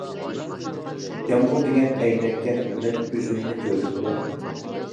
يامغۇر دېگەن ئەينەككەن، مەن ئۆزۈمنى كۆردۈمغۇ.